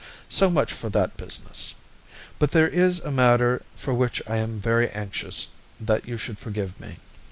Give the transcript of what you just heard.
So much for that business. But there is a matter for which I am very anxious that you should forgive me.